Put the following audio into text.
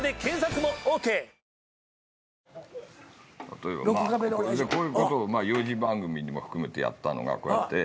こういうことを幼児番組も含めてやったのがこうやって。